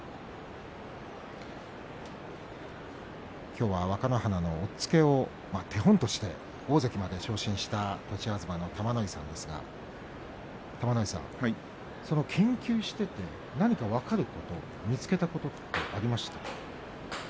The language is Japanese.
きょうは若乃花の押っつけを手本として大関まで昇進した栃東の玉ノ井さんですがその研究していて何か分かること見つけたことは、ありましたか。